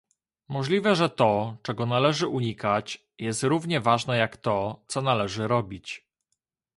Możliwe że to, czego należy unikać, jest równie ważne jak to, co należy robić